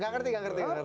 gak ngerti gak ngerti